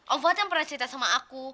om fuad yang pernah cerita sama aku